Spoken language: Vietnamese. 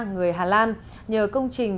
người hà lan nhờ công trình